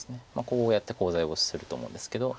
こうやってコウ材をすると思うんですけど。